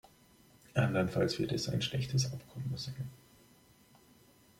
Andernfalls wird es ein schlechtes Abkommen sein.